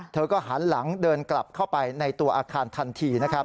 เธอก็หันหลังเดินกลับเข้าไปในตัวอาคารทันทีนะครับ